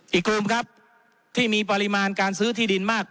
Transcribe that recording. อีกกลุ่มครับที่มีปริมาณการซื้อที่ดินมาก